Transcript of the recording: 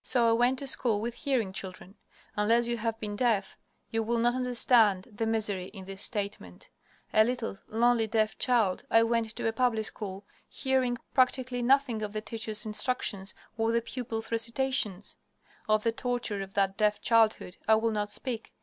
So I went to school with hearing children. Unless you have been deaf, you will not understand the misery in this statement. A little, lonely deaf child, I went to a public school, hearing practically nothing of the teachers' instructions or the pupils' recitations. Of the torture of that deaf childhood I will not speak.